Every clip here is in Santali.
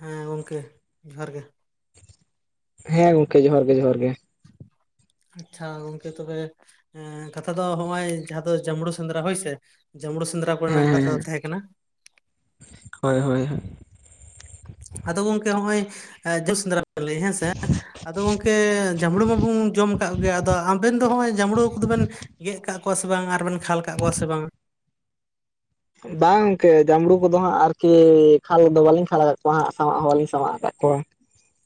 ᱦᱮᱸ ᱜᱚᱢᱠᱮ ᱡᱚᱦᱟᱨ ᱜᱮ᱾ ᱦᱮᱸ ᱜᱚᱝᱠᱮ ᱡᱚᱦᱟᱨ ᱜᱮ ᱡᱚᱦᱟᱨ ᱜᱮ ᱾ ᱟᱪᱪᱷᱟ ᱜᱚᱝᱠᱮ ᱛᱚᱵᱮ ᱾ ᱮ ᱠᱟᱛᱷᱟ ᱫᱚ ᱱᱚᱜᱼᱚᱭ ᱡᱟᱦᱟᱸ ᱫᱚ ᱡᱟᱢᱲᱩ ᱥᱮᱸᱫᱽᱨᱟ ᱦᱳᱭᱥᱮ? ᱡᱟᱢᱲᱩ ᱥᱮᱸᱫᱽᱨᱟ ᱠᱚᱨᱮᱱᱟᱜ ᱦᱮᱸ ᱠᱟᱛᱷᱟ ᱦᱮᱸ ᱫᱚ ᱛᱟᱦᱮᱸ ᱠᱟᱱᱟ ᱾ ᱦᱳᱭ ᱦᱳᱭ ᱾ ᱟᱫᱚ ᱜᱚᱝᱠᱮ ᱦᱚᱸᱜᱼᱚᱭ ᱡᱳ ᱥᱮᱸᱫᱽᱨᱟ ᱠᱚᱯᱮ ᱞᱟᱹᱭ ᱦᱮᱸ ᱥᱮ ᱾ ᱟᱫᱚ ᱜᱚᱝᱠᱮ ᱡᱟᱸᱢᱲᱩ ᱢᱟ ᱵᱚᱱ ᱡᱚᱢ ᱠᱟᱜ ᱜᱮᱭᱟ ᱟᱫᱚ ᱟᱵᱮᱱ ᱫᱚ ᱦᱚᱸᱜᱼᱚᱭ ᱡᱟᱸᱢᱲᱩ ᱠᱚ ᱵᱮᱱ ᱜᱮᱫ ᱠᱟᱜ ᱠᱚᱣᱟ ᱥᱮ ᱵᱟᱝ ᱟᱨ ᱵᱮᱱ ᱠᱷᱟᱞ ᱠᱟᱜ ᱠᱚᱣᱟ ᱥᱮ ᱵᱟᱝ? ᱵᱟᱝ ᱜᱚᱝᱠᱮ ᱡᱟᱢᱲᱩ ᱠᱚᱫᱚ ᱦᱟᱸᱜ ᱟᱨᱠᱤ ᱠᱷᱟᱞ ᱫᱚ ᱵᱟᱞᱤᱧ ᱠᱷᱟᱞ ᱠᱟᱜ ᱠᱚᱣᱟ ᱦᱟᱸᱜ ᱥᱟᱢᱟᱜ ᱦᱚᱸ ᱵᱟᱹᱞᱤᱧ ᱥᱟᱢᱟᱜ ᱠᱟᱜ ᱠᱚᱣᱟ ᱾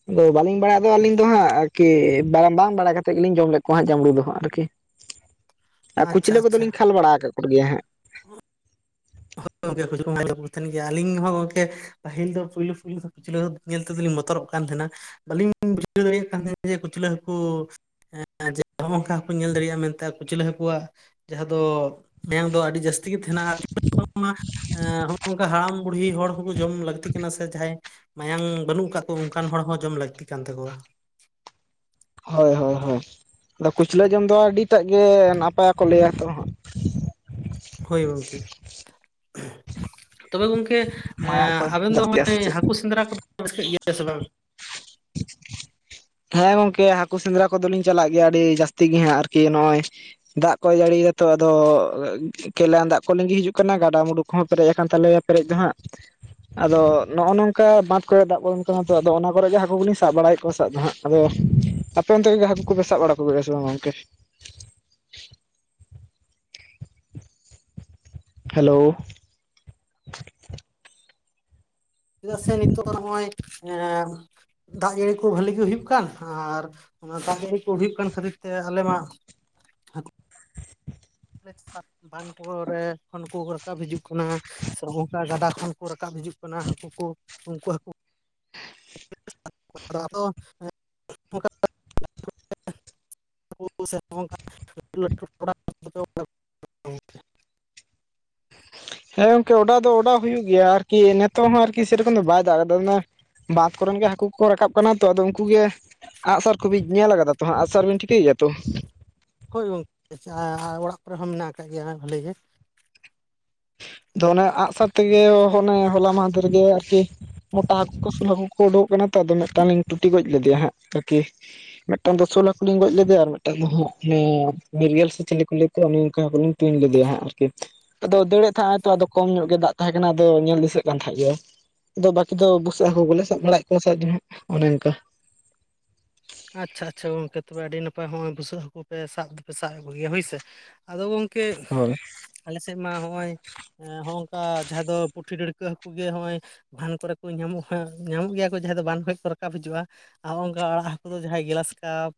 ᱟᱫᱚ ᱵᱟᱹᱞᱤᱧ ᱵᱟᱲᱟᱭᱟ ᱫᱚ ᱟᱹᱞᱤᱧ ᱫᱚ ᱦᱟᱸᱜ ᱾ ᱠᱤ ᱵᱟᱝ ᱵᱟᱲᱟᱭ ᱠᱟᱛᱮᱫ ᱜᱮᱞᱤᱧ ᱡᱚᱢ ᱞᱮᱫ ᱠᱚᱣᱟ ᱦᱟᱜ ᱡᱟᱢᱲᱩ ᱫᱚ ᱦᱟᱸᱜ ᱟᱨᱠᱤ ᱾ ᱟᱨ ᱠᱩᱪᱞᱟᱹ ᱠᱚᱫᱞᱤᱧ ᱠᱷᱟᱞ ᱵᱟᱲᱟ ᱟᱠᱟᱫ ᱠᱚᱜᱮᱭᱟ ᱾ ᱦᱮᱸ᱾ ᱜᱚᱝᱠᱮ ᱛᱟᱦᱮᱱ [unintelligible] ᱜᱮᱭᱟ ᱟᱞᱤᱧ ᱦᱚᱸ ᱜᱚᱝᱠᱮ ᱯᱟᱹᱤᱞ ᱫᱚ ᱯᱩᱭᱞᱩ ᱯᱩᱭᱞᱩ ᱠᱩᱪᱞᱟᱹ ᱧᱮᱞ ᱛᱮᱫᱚᱞᱤᱧ ᱵᱚᱛᱚᱨᱚᱜ ᱠᱟᱱ ᱛᱟᱦᱮᱱᱟ ᱵᱟᱹᱞᱤᱧ ᱵᱩᱡᱷᱟᱹᱣ ᱫᱟᱲᱮᱭᱟᱜ ᱠᱟᱱ ᱛᱟᱦᱮᱱᱟ ᱡᱮ ᱠᱩᱪᱞᱟᱹ ᱦᱟᱹᱠᱩ ᱾ ᱮ ᱱᱚᱜᱚᱝᱠᱟ ᱦᱟᱸᱠᱩ ᱧᱮᱞ ᱫᱟᱲᱮᱭᱟᱜᱼᱟ ᱢᱮᱱᱛᱮ ᱟᱠᱚ ᱠᱩᱪᱞᱟ ᱦᱟᱸᱠᱩ ᱣᱟᱜ ᱾ ᱡᱟᱦᱟᱸ ᱫᱚ ᱢᱮᱱ ᱫᱚ ᱟᱹᱰᱤ ᱡᱟᱹᱥᱛᱤ ᱜᱮ ᱛᱟᱦᱮᱱᱟ ᱾ [unintelligible] ᱱᱚᱝᱠᱟ ᱦᱟᱲᱟᱢᱼ ᱵᱩᱰᱦᱤ ᱦᱚᱲ ᱦᱚᱸᱠᱚ ᱡᱚᱢ ᱞᱟᱹᱠᱛᱤ ᱠᱟᱱᱟ ᱥᱮ ᱡᱟᱦᱟᱸᱭ ᱾ ᱢᱟᱭᱟᱝ ᱵᱟᱱᱩᱜ ᱟᱠᱟᱫ ᱠᱚ ᱚᱱᱠᱟᱱ ᱦᱚᱲ ᱦᱚᱸ ᱡᱚᱢ ᱞᱟᱹᱠᱛᱤ ᱠᱟᱱ ᱛᱟᱠᱚᱣᱟ ᱾ ᱦᱳᱭ ᱦᱳᱭ ᱦᱳᱭ ᱟᱫᱟ ᱠᱩᱪᱞᱟᱹ ᱡᱚᱢ ᱫᱚ ᱟᱹᱰᱤᱴᱟᱜ ᱜᱮ ᱱᱟᱯᱟᱭ ᱠᱚ ᱞᱟᱹᱭᱟ ᱛᱚ ᱦᱟᱸᱜ ᱾ ᱦᱳᱭ ᱜᱚᱝᱠᱮ ᱛᱚᱵᱮ ᱜᱚᱝᱠᱮ ᱮ ᱢᱟᱭᱟᱝ ᱠᱚ ᱟᱵᱮᱱ ᱫᱚ ᱡᱟᱹᱥᱛᱤᱜᱼᱟ ᱥᱮ ᱢᱟᱱᱮ ᱪᱮᱫ ᱦᱟᱹᱠᱩ ᱥᱮᱸᱫᱽᱨᱟ ᱠᱚᱫᱚ ᱨᱟᱹᱥᱠᱟᱹᱜ ᱜᱮᱭᱟ ᱥᱮ ᱵᱟᱝ? ᱦᱮᱸ ᱜᱚᱝᱠᱮ ᱦᱟᱹᱠᱩ ᱥᱮᱸᱫᱽᱨᱟ ᱠᱚᱫᱚᱞᱤᱧ ᱪᱟᱞᱟᱜ ᱜᱮᱭᱟ ᱟᱹᱰᱤ ᱡᱟᱹᱥᱛᱤ ᱜᱮ ᱦᱟᱸᱜ ᱟᱨᱠᱤ ᱱᱚᱜᱼᱚᱭ ᱾ ᱫᱟᱜ ᱠᱚᱭ ᱡᱟᱹᱲᱤ ᱮᱫᱟ ᱛᱚ ᱟᱫᱚ ᱾ ᱠᱮᱞᱟᱱ ᱫᱟᱜ ᱠᱚ ᱞᱤᱸᱜᱤ ᱦᱤᱡᱩᱜ ᱠᱟᱱᱟ ᱜᱟᱰᱟᱼᱢᱩᱰᱩ ᱠᱷᱚᱱ ᱯᱮᱨᱮᱡ ᱟᱠᱟᱱ ᱛᱟᱞᱮᱭᱟ ᱯᱮᱨᱮᱡ ᱫᱚ ᱦᱟᱸᱜ ᱾ ᱟᱫᱚ ᱱᱚᱜᱼᱚ ᱱᱚᱝᱠᱟ ᱵᱟᱸᱫᱷ ᱠᱚᱨᱮ ᱫᱟᱜ ᱵᱚᱞᱚᱱ ᱛᱚ ᱟᱫᱚ ᱚᱱᱟ ᱠᱚᱨᱮ ᱜᱮ ᱦᱟᱹ ᱩᱱᱤ ᱥᱟᱵ ᱵᱟᱲᱟᱭᱮᱜ ᱠᱚᱣᱟ ᱥᱟᱵ ᱫᱚ ᱦᱟᱸᱜ ᱟᱫᱚ ᱟᱯᱮ ᱚᱱᱛᱮ ᱜᱮ ᱦᱟᱹᱠᱩ ᱠᱚᱯᱮ ᱥᱟᱵ ᱵᱟᱲᱟ ᱠᱚᱜᱮᱭᱟ ᱥᱮ ᱵᱟᱝ ᱜᱚᱝᱠᱮ? ᱦᱮᱞᱳ ᱾ ᱪᱮᱫᱟᱜ ᱥᱮ ᱱᱤᱛᱚᱜ ᱱᱚᱜᱼᱚᱭ ᱮ ᱾ ᱫᱟᱜ ᱡᱟᱹᱲᱤ ᱠᱚ ᱵᱷᱟᱹᱞᱤ ᱜᱮ ᱦᱩᱭᱩᱜ ᱠᱟᱱ ᱟᱨ ᱚᱱᱟ ᱫᱟᱜ ᱡᱟᱹᱲᱤ ᱠᱚ ᱦᱩᱭᱩᱜ ᱠᱟᱱ ᱠᱷᱟᱹᱛᱤᱨ ᱛᱮ ᱟᱞᱮ ᱢᱟ ᱾ [inaudible] ᱵᱟᱝ ᱠᱚ ᱨᱮ ᱠᱷᱚᱱ ᱠᱚ ᱨᱟᱠᱟᱵ ᱦᱤᱡᱩᱜ ᱠᱟᱱᱟ ᱥᱮ ᱚᱱᱠᱟ ᱜᱟᱰᱟ ᱠᱷᱚᱱ ᱾ ᱠᱚ ᱨᱟᱠᱟᱵ ᱦᱤᱡᱩᱜ ᱠᱟᱱᱟ ᱦᱟᱹᱠᱩ ᱠᱚ ᱩᱱᱠᱩ ᱦᱟᱹᱠᱩ ᱾ [unintelligible] [inaudible] ᱥᱮ ᱱᱚᱝᱠᱟ ᱞᱟᱹᱴᱩ ᱞᱟᱹᱴᱩ [unintelligible] [unintelligible] ᱦᱮᱸ ᱜᱚᱝᱠᱮ ᱚᱰᱟᱣ ᱫᱚ ᱚᱰᱟᱣ ᱦᱩᱭᱩᱜ ᱜᱮᱭᱟ ᱟᱨᱠᱤ ᱱᱤᱛᱚᱜ ᱦᱚᱸ ᱟᱨᱠᱤ ᱥᱮᱨᱚᱠᱚᱢ ᱫᱚ ᱵᱟᱭ ᱫᱟᱜ ᱠᱟᱫᱟ [unintelligible] ᱾ ᱵᱟᱸᱫᱷ ᱠᱚᱨᱮᱱ ᱜᱮ ᱦᱟᱹᱠᱩ ᱠᱚ ᱨᱟᱠᱟᱵ ᱠᱟᱱᱟ ᱛᱚ, ᱟᱫᱚ ᱩᱱᱠᱩ ᱜᱮᱼᱼ ᱟᱜᱼᱥᱟᱨ ᱠᱚᱵᱤᱧ ᱧᱮᱞ ᱟᱠᱟᱫᱟ ᱛᱚ ᱦᱟᱸ ᱟᱜᱥᱟᱨ ᱵᱮᱱ ᱴᱷᱤᱠᱟᱹᱭ ᱜᱮᱭᱟ ᱛᱚ? ᱦᱳᱭ ᱜᱚᱝᱠᱮ ᱟᱨ ᱚᱲᱟᱜ ᱠᱚᱨᱮ ᱦᱚᱸ ᱢᱮᱱᱟᱜ ᱠᱟᱜ ᱜᱮᱭᱟ ᱵᱷᱟᱹᱞᱤ ᱜᱮ ᱾ ᱛᱚ ᱚᱱᱮ ᱟᱸᱜᱼᱥᱟᱨ ᱛᱮᱜᱮ ᱚᱱᱮ ᱦᱚᱞᱟ ᱢᱟᱫᱷᱮᱨ ᱜᱮ ᱟᱨᱠᱤ ᱾ ᱢᱚᱴᱟ ᱦᱟᱹᱠᱩ ᱠᱚ ᱥᱳᱞ ᱦᱟᱹᱠᱩ ᱠᱚ ᱩᱰᱩᱠᱚᱜ ᱠᱟᱱᱟ ᱛᱚ ᱟᱫᱚ ᱢᱤᱫᱴᱟᱝ ᱞᱤᱧ ᱴᱩᱴᱤ ᱜᱚᱡ ᱞᱮᱫᱮᱭᱟ ᱦᱟᱸᱜ ᱠᱤ ᱾ ᱢᱤᱫᱴᱟᱝ ᱫᱚ ᱥᱳᱞ ᱦᱟᱹᱠᱩ ᱞᱤᱧ ᱜᱚᱡ ᱞᱮᱫᱮᱭᱟ ᱟᱨ ᱢᱤᱫᱴᱟᱝ ᱫᱚ ᱵᱤᱨᱜᱮᱞ ᱥᱮ ᱪᱮᱞᱮ ᱠᱚ ᱞᱟᱹᱭ ᱠᱚᱶᱟ [unintelligible] ᱾ ᱛᱩᱧ ᱞᱮᱫᱮᱭᱟ ᱦᱟᱜ ᱟᱨᱠᱤ ᱟᱫᱚ ᱾ ᱫᱟᱹᱲᱮᱜ ᱛᱟᱦᱮᱸᱜ ᱛᱚ ᱟᱫᱚ ᱠᱚᱢ ᱧᱚᱜ ᱜᱮ ᱫᱟᱜ ᱛᱟᱦᱮᱸ ᱠᱟᱱᱟ ᱟᱫᱚ ᱧᱮᱞ ᱫᱤᱥᱟᱹᱜ ᱠᱟᱱ ᱛᱟᱦᱮᱸᱜ ᱜᱮᱭᱟ ᱾ ᱟᱫᱚ ᱵᱟᱠᱤ ᱫᱚ ᱵᱩᱥᱟᱜ ᱦᱟᱹᱠᱩ ᱠᱚ ᱞᱮ ᱥᱟᱵ ᱵᱟᱲᱟᱭᱮᱜ ᱠᱚᱣᱟ ᱥᱮ ᱥᱟᱵ ᱫᱚ ᱦᱟᱜ ᱚᱱᱮ ᱚᱱᱠᱟ ᱾ ᱟᱪᱪᱷᱟ ᱟᱪᱪᱷᱟ ᱜᱚᱝᱠᱮ ᱛᱚᱵᱮ ᱟᱹᱰᱤ ᱱᱟᱯᱟᱭ ᱦᱚᱜ-ᱚᱭ ᱵᱩᱥᱟᱹᱜ ᱦᱟᱹᱠᱩ ᱯᱮ ᱥᱟᱵ ᱫᱚᱯᱮ ᱥᱟᱵ ᱥᱟᱵ ᱠᱚᱜᱮᱭᱟ ᱦᱳᱭᱥᱮ ᱾ ᱟᱫᱚ ᱜᱚᱝᱠᱮ ᱦᱳᱭ ᱟᱞᱮ ᱥᱮᱜ ᱢᱟ ᱦᱚᱜᱼᱚᱭ ᱾ ᱦᱚᱜᱝᱠᱟ ᱡᱟᱦᱟᱸᱭ ᱫᱚ ᱯᱩᱴᱷᱤ ᱰᱟᱹᱲᱠᱟᱹ ᱦᱟᱹᱠᱩ ᱜᱮ ᱦᱚᱜᱼᱚᱭ ᱾ ᱵᱷᱟᱱ ᱠᱚᱨᱮ ᱠᱚ ᱧᱟᱢᱚᱜᱼᱟ ᱧᱟᱢᱚᱜ ᱜᱮᱭᱟ ᱠᱚ ᱡᱟᱦᱟᱸᱭ ᱫᱚ ᱵᱟᱱ ᱠᱷᱚᱽ ᱠᱚ ᱨᱟᱠᱟᱵ ᱦᱤᱡᱩᱜᱼᱟ ᱟ ᱦᱚᱜᱼᱚᱝᱠᱟ ᱩᱝᱠᱩ ᱫᱚ ᱡᱟᱸᱦᱟᱭ ᱜᱮᱞᱟᱥ ᱠᱟᱯ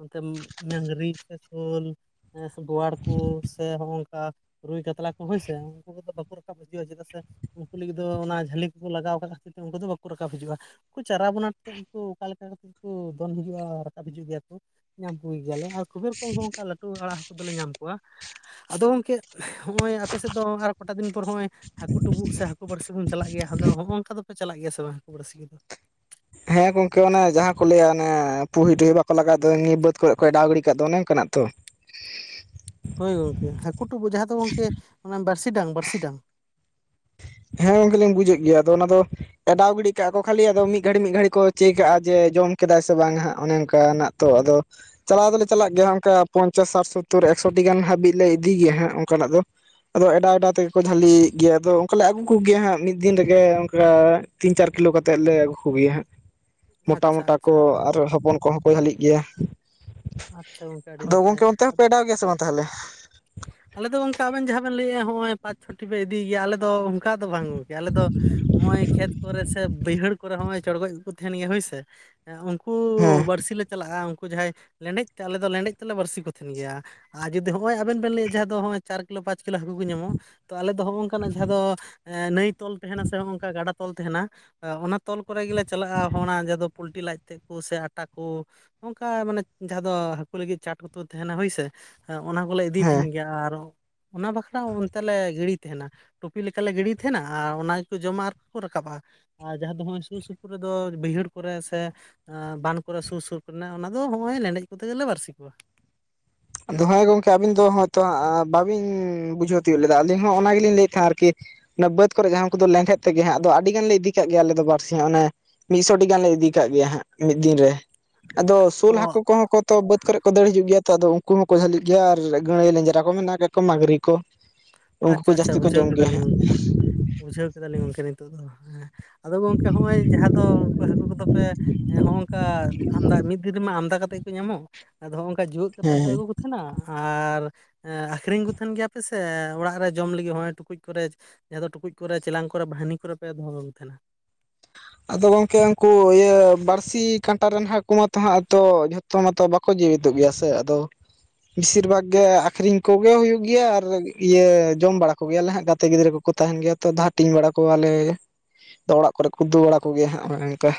ᱚᱱᱛᱮ ᱢᱟ ᱢᱟᱝᱨᱤ ᱥᱮ ᱥᱳᱞ᱾ ᱦᱮᱸ ᱥᱮ ᱵᱳᱣᱟᱲ ᱠᱚ ᱥᱮ ᱦᱚᱸᱜᱼ ᱚᱝᱠᱟᱼᱼ ᱨᱩᱭ ᱠᱟᱛᱞᱟ ᱠᱚ ᱦᱳᱭ ᱥᱮ ᱩᱝᱠᱩ ᱠᱚᱫᱚ ᱵᱟᱠᱚ ᱨᱟᱠᱟᱵ ᱦᱤᱡᱩᱜᱼᱟ ᱪᱮᱫᱟᱜ ᱥᱮᱼᱼ ᱩᱝᱠᱩ ᱞᱟᱹᱜᱤᱫ ᱫᱚ ᱚᱱᱟ ᱡᱷᱟᱹᱞᱤ ᱠᱚ ᱞᱟᱜᱟᱣ ᱠᱟᱫᱟ ᱠᱷᱟᱹᱤᱨ ᱛᱮ ᱩᱝᱠᱩ ᱫᱚ ᱵᱟᱠᱚ ᱨᱟᱠᱟᱵ ᱦᱤᱡᱩᱜᱼᱟ ᱩᱱᱠᱩ ᱪᱟᱨᱟ ᱵᱚᱱᱟ ᱛᱮᱫ ᱜᱮᱠᱳ ᱚᱠᱟ ᱞᱮᱠᱟ ᱠᱟᱛᱮᱫ ᱜᱮᱠᱩᱼᱼ ᱫᱚᱱ ᱦᱤᱡᱩᱜᱼᱟ ᱨᱟᱠᱟᱵ ᱦᱤᱡᱩᱜ ᱜᱮᱭᱟ ᱠᱚ ᱧᱟᱢ ᱠᱚ ᱜᱮᱭᱟᱞᱮ ᱟᱨ ᱠᱷᱩᱵᱮᱨ ᱨᱚᱠᱚᱢ ᱦᱚᱸ ᱚᱝᱠᱟ ᱞᱟᱹᱴᱩ ᱟᱲᱟᱜ ᱦᱟᱹᱠᱩ ᱫᱚᱞᱮ ᱧᱟᱢ ᱼᱼ ᱠᱚᱣᱟ ᱟᱫᱚ ᱜᱚᱝᱠᱮ ᱦᱚᱸᱜᱼᱚᱭ ᱟᱯᱮ ᱥᱮᱫ ᱫᱚ ᱟᱨ ᱠᱚᱴᱟ ᱫᱤᱱ ᱯᱚᱨ ᱦᱚᱸᱜᱼᱚᱭᱼᱼ ᱦᱟᱹᱠᱩ ᱴᱩᱵᱩᱜ ᱥᱮ ᱦᱟᱹᱠᱩ ᱵᱟᱹᱲᱥᱤ ᱵᱚᱱ ᱪᱟᱞᱟᱜ ᱜᱮᱭᱟ ᱟᱫᱚ ᱦᱚᱸᱜᱼᱚᱝᱠᱟ ᱫᱚᱯᱮ ᱪᱟᱞᱟᱜ ᱜᱮᱭᱟ ᱥᱮ ᱵᱟᱝ ᱦᱟᱹᱠᱩ ᱵᱟᱹᱲᱥᱤ ᱠᱚᱫᱚ? ᱦᱮᱸ ᱜᱚᱝᱠᱮ ᱚᱱᱮ ᱡᱟᱦᱟᱸ ᱠᱚ ᱞᱟᱹᱭᱟ ᱚᱱᱮ ᱯᱩᱦᱤ ᱴᱩᱦᱤ ᱵᱟᱠᱚ ᱞᱟᱜᱟᱣ ᱫᱚ ᱱᱤᱭᱟᱹ ᱵᱟᱹᱫ ᱠᱚᱨᱮ ᱠᱚ ᱮᱰᱟᱣ ᱜᱤᱲᱤ ᱠᱟᱜ ᱫᱚ ᱚᱱᱮ ᱚᱝᱠᱟ ᱱᱟᱜ ᱛᱚ᱾ ᱦᱳᱭ ᱜᱚᱝᱠᱮ ᱦᱟᱹᱠᱩ ᱴᱩᱵᱩᱜ ᱡᱟᱦᱟᱸ ᱫᱚ ᱜᱚᱝᱠᱮ ᱚᱱᱟ ᱵᱟᱬᱥᱤ ᱰᱟᱝ ᱵᱟᱬᱥᱤ ᱰᱟᱝ ᱾ ᱦᱮᱸ ᱜᱚᱝᱠᱮ ᱞᱤᱧ ᱵᱩᱡᱮᱫ ᱜᱮᱭᱟ ᱟᱫᱚ ᱚᱱᱟ ᱫᱚᱼᱼ ᱟᱰᱟᱣ ᱜᱤᱲᱤ ᱠᱟᱜᱼᱟ ᱠᱚ ᱠᱷᱟᱹᱞᱤ ᱟᱫᱚ ᱢᱤᱫ ᱜᱷᱟᱹᱲᱤ ᱢᱤᱫ ᱜᱷᱟᱹᱲᱤ ᱠᱚ ᱪᱮᱠᱟᱜᱼᱟ ᱡᱮ ᱡᱚᱢ ᱠᱮᱣᱟᱭ ᱥᱮ ᱵᱟᱝ ᱦᱟᱸᱜ ᱚᱱᱮ ᱚᱱᱠᱟ ᱱᱟᱜᱼᱼ ᱛᱚ ᱟᱫᱚᱼᱼ ᱪᱟᱞᱟᱣ ᱫᱚᱞᱮ ᱪᱟᱞᱟᱜ ᱜᱮᱭᱟ ᱚᱝᱠᱟ ᱯᱚᱧᱪᱟᱥ ᱥᱟᱴ ᱥᱳᱛᱛᱳᱨ ᱮᱠᱥᱚᱴᱤ ᱜᱟᱱ ᱦᱟᱹᱵᱤᱡ ᱞᱮ ᱤᱫᱤ ᱜᱮᱭᱟ ᱦᱟᱸᱜ ᱚᱱᱠᱟᱱᱟᱜ ᱫᱚ ᱾ ᱟᱫᱚ ᱮᱰᱟᱣ ᱮᱰᱟᱜ ᱛᱮᱜᱮ ᱠᱚ ᱡᱷᱟᱹᱞᱤ ᱤᱫᱤᱜ ᱜᱮᱭᱟ ᱟᱫᱚᱼᱼ ᱠᱚᱞᱮ ᱟᱹᱜᱩ ᱠᱚᱜᱮᱭᱟ ᱦᱟᱸᱜ ᱢᱤᱫ ᱫᱤᱱ ᱨᱮᱜᱮ ᱚᱝᱠᱟ ᱛᱤᱱ ᱪᱟᱨ ᱠᱤᱞᱳ ᱠᱟᱛᱮᱫ ᱞᱮ ᱟᱹᱜᱩ ᱠᱚᱜᱮᱭᱟ ᱦᱟᱸᱜ ᱾ ᱢᱚᱴᱟ ᱟᱪᱪᱷᱟ ᱢᱚᱴᱟ ᱟᱪᱪᱷᱟ ᱠᱚ ᱟᱨ ᱦᱚᱯᱚᱱ ᱠᱚᱦᱚᱸ ᱠᱚ ᱡᱷᱟᱹᱞᱤᱜ ᱜᱮᱭᱟ᱾ ᱟᱪᱪᱷᱟ ᱜᱚᱝᱠᱮ ᱟᱹᱰᱤ ᱫᱚ ᱱᱟᱯᱟᱭ ᱜᱚᱝᱠᱮ ᱟᱫᱚ ᱚᱱᱛᱮ ᱦᱚᱸ ᱯᱮ ᱮᱰᱟᱣ ᱜᱮᱭᱟ ᱥᱮ ᱵᱟᱝ ᱛᱟᱦᱞᱮ? ᱟᱞᱮ ᱫᱚ ᱜᱚᱝᱠᱮ ᱟᱵᱮᱱ ᱡᱟᱦᱟᱸ ᱵᱮᱱ ᱞᱟᱹᱭᱮᱜᱼᱟ ᱦᱚᱸᱜᱼᱚᱭ ᱯᱟᱸᱪ ᱪᱷᱚᱴᱤ ᱯᱮ ᱤᱫᱤ ᱜᱮᱭᱟ ᱟᱞᱮ ᱫᱚᱼᱼ ᱠᱟ ᱫᱚ ᱵᱟᱝ ᱜᱚᱝᱠᱮ ᱟᱞᱮ ᱫᱚ ᱱᱚᱜᱼᱚᱭ ᱠᱷᱮᱛ ᱠᱚᱨᱮ ᱥᱮ ᱵᱟᱹᱭᱦᱟᱹᱲᱼᱼ ᱠᱚᱨᱮ ᱦᱚᱸᱜ ᱼᱚᱭ ᱪᱚᱲᱜᱚᱡ ᱠᱚ ᱠᱚ ᱛᱟᱦᱮᱱ ᱜᱮᱭᱟ ᱦᱳᱭᱥᱮ ᱩᱱᱠᱩ ᱦᱮᱸ ᱵᱟᱹᱲᱥᱤ ᱞᱮ ᱪᱟᱞᱟᱜᱼᱟ ᱩᱱᱠᱩ ᱡᱟᱦᱟᱸᱭᱼᱼ ᱞᱮᱸᱰᱮᱡ ᱛᱮ ᱟᱞᱮ ᱫᱚ ᱞᱮᱸᱰᱮᱡ ᱛᱮᱞᱮ ᱵᱟᱹᱲᱥᱤ ᱠᱚ ᱛᱟᱦᱮᱱ ᱜᱮᱭᱟ ᱾ ᱟᱨ ᱡᱩᱫᱤ ᱦᱚᱸᱜᱼᱚᱭ ᱟᱵᱮᱱ ᱵᱮᱱ ᱞᱟᱹᱭᱮᱫᱽ ᱡᱟᱦᱟᱸ ᱫᱚ ᱦᱚᱸᱜᱼᱚᱭ ᱪᱟᱨ ᱠᱤᱞᱳ ᱯᱟᱸᱪ ᱠᱤᱞᱳ ᱦᱟᱹᱠᱩ ᱠᱚ ᱧᱟᱢᱚᱜᱼᱼ ᱛᱚ ᱟᱞᱮ ᱫᱚ ᱦᱚᱸᱜᱼᱚ ᱱᱝᱠᱟᱱᱟᱜ ᱡᱟᱦᱟᱸ ᱫᱚ ᱮ ᱱᱟᱹᱭ ᱛᱚᱞ ᱛᱟᱦᱮᱱᱟ ᱥᱮ ᱦᱚᱸᱜ ᱚᱝᱠᱟ ᱜᱟᱰᱟᱼᱼ ᱛᱚᱞ ᱛᱟᱦᱮᱱᱟ ᱚᱱᱟ ᱛᱚᱞ ᱠᱚᱨᱮ ᱜᱮᱞᱮ ᱪᱟᱞᱟᱜᱼᱟ ᱦᱚᱜᱼᱱᱟ ᱡᱟᱦᱟᱸ ᱫᱚ ᱯᱩᱞᱴᱤ ᱞᱟᱡᱽ ᱛᱮᱫᱽ ᱠᱚ ᱥᱮ ᱟᱴᱟ ᱠᱚᱼᱼ ᱚᱝᱠᱟ ᱢᱟᱱᱮᱼᱼ ᱡᱟᱦᱟᱸ ᱫᱚ ᱦᱟᱹᱠᱩ ᱞᱟᱹᱜᱤᱫ ᱪᱟᱴ ᱠᱚ ᱛᱩᱫᱽ ᱛᱟᱦᱮᱱᱟ ᱦᱳᱭᱥᱮ ᱚᱱᱟ ᱠᱚᱞᱮ ᱤᱫᱤᱭ ᱦᱮᱸ ᱛᱟᱦᱮᱱ ᱜᱮᱭᱟ ᱟᱨᱼᱼ ᱚᱱᱟ ᱵᱟᱠᱷᱲᱟ ᱚᱱᱛᱮ ᱞᱮ ᱜᱤᱲᱤ ᱛᱟᱦᱮᱱᱟ ᱾ ᱴᱩᱯᱤ ᱞᱮᱠᱟᱞᱮ ᱜᱤᱲᱤᱭ ᱛᱟᱦᱮᱱᱟ ᱟᱨ ᱚᱱᱟ ᱜᱮᱠᱚ ᱡᱚᱢᱟ ᱟᱨ ᱠᱚ ᱨᱟᱠᱟᱵᱼᱟ ᱾ ᱟᱨ ᱡᱟᱦᱟᱸ ᱫᱚ ᱦᱚᱜᱼᱚᱭ ᱥᱩᱨ ᱥᱩᱯᱩᱨ ᱨᱮᱫᱚ ᱵᱟᱹᱭᱦᱟᱹᱲ ᱠᱚᱨᱮ ᱥᱮ ᱵᱟᱸᱱ ᱠᱚᱨᱮ ᱥᱩᱨ ᱥᱩᱨ ᱠᱚᱨᱮ ᱚᱱᱟ ᱫᱚᱼᱼ ᱦᱚᱸᱜᱼᱚᱭ ᱞᱮᱸᱰᱮᱡ ᱠᱚᱛᱮ ᱜᱮᱞᱮ ᱵᱟᱲᱥᱤ ᱠᱚᱣᱟ ᱾ ᱟᱫᱚ ᱦᱮᱸ ᱜᱚᱝᱠᱮ ᱟᱵᱤᱱ ᱫᱚ ᱦᱚᱭᱛᱚ ᱵᱟᱹᱵᱤᱱ ᱵᱩᱡᱷᱟᱹᱣ ᱛᱤᱭᱳᱜ ᱞᱮᱫᱟ ᱟᱞᱤᱧ ᱦᱚᱸ ᱚᱱᱟ ᱜᱮᱞᱤᱧ ᱞᱟᱹᱭᱮᱫ ᱛᱟᱦᱮᱸ ᱟᱨᱠᱤᱼᱼ ᱚᱱᱟ ᱵᱟᱹᱫᱽ ᱠᱚᱨᱮ ᱡᱟᱦᱟᱸ ᱩᱱᱠᱩ ᱫᱚ ᱞᱮᱸᱰᱮᱫ ᱛᱮᱜᱮ ᱦᱟᱸᱜ ᱟᱫᱚ ᱟᱹᱰᱤ ᱜᱟᱱ ᱞᱮ ᱤᱫᱤ ᱠᱟᱜ ᱜᱮᱭᱟ ᱟᱞᱮ ᱫᱚ ᱵᱟᱲᱥᱤ ᱚᱱᱮᱼᱼᱼ ᱢᱤᱫᱥᱚ ᱴᱤ ᱜᱟᱱ ᱞᱮ ᱤᱫᱤ ᱠᱟᱜ ᱜᱮᱭᱟ ᱦᱟᱸᱜ ᱢᱤᱫ ᱫᱤᱱ ᱨᱮ ᱾ ᱟᱫᱚ ᱚ ᱥᱳᱞ ᱦᱟᱹᱠᱩ ᱠᱚᱦᱚᱸ ᱠᱚ ᱛᱚ ᱵᱟᱹᱫᱽ ᱠᱚᱨᱮ ᱠᱚ ᱫᱟᱹᱲ ᱦᱤᱡᱩᱜ ᱜᱮᱭᱟ ᱛᱚ ᱟᱫᱚ ᱩᱱ ᱠᱩ ᱦᱚᱸᱠᱚ ᱡᱷᱟᱹᱞᱤᱜ ᱜᱮᱭᱟ ᱟᱨ ᱜᱟᱹᱲᱟᱹᱭ ᱞᱮᱧᱡᱨᱟ ᱠᱚ ᱢᱮᱱᱟᱜ ᱠᱟᱫ ᱠᱚᱣᱟ ᱢᱟᱹᱜᱽᱨᱤ ᱠᱚ ᱾ ᱩᱱᱠᱩ ᱠᱚ ᱟᱪᱪᱷᱟ ᱡᱟᱹᱥᱛᱤ ᱟᱪᱪᱷᱟ ᱠᱚ ᱵᱩᱡᱷᱟᱹᱣ ᱡᱚᱢ ᱠᱮᱭᱟ ᱠᱮᱫᱟᱞᱤᱧ ᱦᱟᱸᱜ ᱜᱚᱝᱠᱮ ᱾ ᱵᱩᱡᱷᱟᱹᱣ ᱠᱮᱫᱟᱞᱤᱧ ᱜᱚᱝᱠᱮ ᱱᱤᱛᱚᱜ ᱫᱚ ᱦᱮᱸ ᱟᱫᱚ ᱜᱚᱝᱠᱮ ᱦᱚᱸᱜᱼᱚᱭ ᱡᱟᱦᱟᱸ ᱫᱚ ᱩᱱᱠᱩ ᱦᱟᱹᱠᱩ ᱠᱚᱫᱚ ᱯᱮᱼᱼ ᱮᱸ ᱦᱚᱸᱜᱼ ᱚᱝᱠᱟ ᱟᱢᱫᱟ ᱢᱤᱫ ᱫᱤᱱ ᱨᱮᱢᱟ ᱟᱢᱫᱟ ᱠᱟᱛᱮᱜ ᱜᱮ ᱠᱚ ᱧᱟᱢᱚᱜ ᱾ ᱟᱫᱚ ᱦᱚᱸᱜ ᱚᱝᱠᱟ ᱡᱮᱣᱮᱫ ᱠᱟᱛᱮᱫ ᱦᱮᱸ ᱯᱮ ᱦᱮᱸ ᱟᱹᱜᱩ ᱠᱚ ᱛᱟᱦᱮᱱᱟ ᱟᱨ ᱟᱠᱦᱚᱨᱤᱧ ᱠᱚ ᱛᱟᱦᱮᱱ ᱜᱮᱭᱟ ᱯᱮ ᱥᱮ ᱚᱲᱟᱜᱼᱼ ᱚᱲᱟᱜ ᱨᱮ ᱡᱚᱢ ᱞᱟᱹᱜᱤᱫ ᱦᱚᱸᱜ ᱚᱭ ᱴᱩᱠᱩᱡ ᱠᱚᱨᱮ ᱡᱟᱦᱟᱸ ᱫᱚ ᱴᱩᱠᱩᱡ ᱠᱚᱨᱮ ᱪᱮᱞᱟᱝ ᱠᱚᱨᱮ ᱵᱟᱹᱦᱟᱹᱱᱤ ᱠᱚᱨᱮ ᱯᱮ ᱫᱚᱦ ᱠᱟᱠ ᱛᱟᱦᱮᱱᱟ ᱾ ᱟᱫᱚ ᱜᱚᱝᱠᱮ ᱩᱱᱠᱩ ᱤᱭᱟᱹ ᱵᱟᱲᱥᱤ ᱠᱟᱴᱟ ᱨᱮᱱ ᱦᱟᱹᱠᱩ ᱢᱟᱛᱚ ᱦᱟᱸᱜ ᱛᱚ ᱡᱷᱚᱼᱼ ᱛᱚ ᱢᱟᱛᱚ ᱵᱟᱠᱚ ᱡᱤᱣᱮᱫᱚᱜ ᱜᱮᱭᱟ ᱥᱮ ᱟᱫᱚ, ᱵᱮᱥᱤᱨ ᱵᱷᱟᱜᱽ ᱜᱮ ᱟᱠᱷᱨᱤᱧ ᱠᱚᱜᱮ ᱦᱩᱭᱩᱜ ᱜᱮᱭᱟ ᱟᱨ ᱤᱭᱟᱹ ᱡᱚᱢ ᱵᱟᱲᱟ ᱠᱚᱜᱮᱭᱟᱞᱮ ᱦᱟᱸᱜ ᱜᱟᱛᱮ ᱜᱤᱫᱽᱨᱟᱹ ᱠᱚᱼᱼ ᱠᱚ ᱛᱟᱦᱮᱱ ᱜᱮᱭᱟ ᱛᱚ ᱟᱫᱚ ᱦᱟᱹᱴᱤᱧ ᱵᱟᱲᱟ ᱠᱚᱣᱟᱞᱮ ᱚᱲᱟᱜ ᱠᱚᱨᱮ ᱠᱚ ᱩᱛᱩ ᱵᱟᱲᱟ ᱠᱚᱜᱮᱭᱟᱜ ᱦᱟᱸᱜ ᱚᱱᱮ ᱚᱱᱠᱟ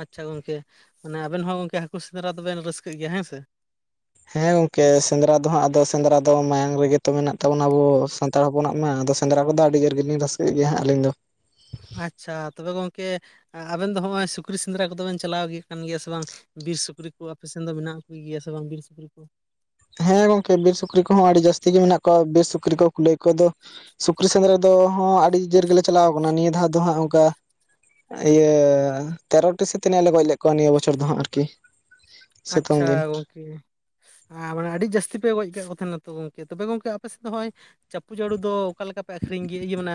ᱟᱪᱪᱷᱟ ᱜᱚᱝᱠᱮ ᱢᱟᱱᱮ ᱟᱵᱮᱱ ᱦᱚᱸ ᱜᱚᱝᱠᱮ ᱦᱟᱹᱠᱩ ᱥᱮᱸᱫᱽᱨᱟ ᱫᱚᱵᱮᱱ ᱨᱟᱹᱥᱠᱟᱹᱜ ᱜᱮᱭᱟ ᱦᱮᱸ ᱥᱮ ᱾ ᱦᱮᱸ ᱜᱚᱝᱠᱮ ᱥᱮᱸᱫᱽᱨᱟ ᱫᱚ ᱦᱟᱸᱜ ᱥᱮᱸᱫᱽᱨᱟ ᱫᱚ ᱢᱟᱭᱟᱝ ᱨᱮᱜᱮ ᱛᱚ ᱢᱮᱱᱟᱜ ᱛᱟᱵᱚᱱᱟ ᱟᱵᱚ ᱥᱟᱱᱼᱼᱼ ᱛᱚᱲ ᱦᱚᱯᱚᱱᱟᱜ ᱢᱟ ᱫᱚ ᱥᱮᱸᱫᱽᱨᱟ ᱠᱚᱫᱚ ᱟᱰᱤᱡᱳᱨ ᱜᱮᱞᱤᱧ ᱨᱟᱹᱥᱠᱟᱹᱜ ᱜᱮᱭᱟ ᱦᱟᱸᱜ ᱟᱹᱞᱤᱧ ᱫᱚ ᱾ ᱟᱪᱪᱷᱟ ᱛᱚᱵᱮ ᱜᱚᱝᱠᱮ ᱟᱵᱮᱱ ᱫᱚ ᱦᱚᱸᱜᱼᱚᱭ ᱥᱩᱠᱨᱤ ᱥᱮᱸᱫᱽᱨᱟ ᱠᱚᱫᱚᱵᱮᱱ ᱪᱟᱞᱟᱣ ᱜᱮ ᱠᱟᱱ ᱜᱮᱭᱟ ᱥᱮ ᱵᱟᱝ, ᱵᱤᱨ ᱥᱩᱠᱨᱤ ᱠᱚ ᱟᱯᱮ ᱥᱮᱱ ᱫᱚ ᱢᱮᱱᱟᱜ ᱠᱚ ᱜᱮᱭᱟ ᱥᱮ ᱵᱟᱝ ᱵᱤᱨ ᱥᱩᱠᱨᱤ ᱠᱚ ᱾ ᱦᱮᱸ ᱜᱚᱝᱠᱮ ᱵᱤᱨ ᱥᱩᱠᱨᱤ ᱠᱚᱦᱚᱸ ᱟᱹᱰᱤ ᱡᱟᱹᱥᱛᱤ ᱜᱮ ᱢᱮᱱᱟᱜ ᱠᱚᱣᱟ ᱵᱤᱨ ᱥᱩᱠᱨᱤ ᱠᱚ ᱠᱩᱞᱟᱹᱭ ᱠᱚᱫᱚ, ᱥᱩᱠᱨᱤ ᱥᱮᱸᱫᱽᱨᱟ ᱫᱚ ᱦᱚᱸ ᱟᱹᱰᱤ ᱡᱳᱨ ᱜᱮᱞᱮ ᱪᱟᱞᱟᱣ ᱠᱟᱱᱟ ᱱᱤᱭᱟᱹ ᱫᱷᱟᱣ ᱫᱚ ᱦᱟᱸᱜ ᱚᱱᱠᱟ ᱤᱭᱟᱹ ᱛᱮᱨᱚᱴᱤ ᱥᱮ ᱛᱤᱱᱟᱹᱜ ᱞᱮ ᱜᱚᱡ ᱞᱮᱫ ᱠᱚᱣᱟ ᱱᱤᱭᱟᱹ ᱵᱚᱪᱷᱚᱨ ᱫᱚ ᱦᱟᱸᱜ ᱟᱹᱨᱠᱤ ᱾ ᱟᱪᱪᱷᱟ ᱜᱚᱝᱠᱮ ᱟᱨ ᱢᱟᱱᱮ ᱟᱰᱤ ᱡᱟᱹᱥᱛᱤ ᱯᱮ ᱜᱚᱡ ᱠᱟᱜ ᱛᱟᱦᱮᱱᱟ ᱛᱚ ᱜᱚᱝᱠᱮ ᱛᱚᱵᱮ ᱜᱚᱝᱠᱮ ᱟᱯᱮ ᱥᱮᱫ ᱫᱚ ᱦᱚᱸᱜᱼᱚᱭ ᱪᱟᱯᱩ ᱡᱚᱲᱩ ᱫᱚ ᱚᱠᱟ ᱞᱮᱠᱟ ᱯᱮ ᱟᱹᱠᱷᱨᱤᱧ ᱜᱮᱭᱟ ᱤᱭᱟᱹ ᱢᱟᱱᱮ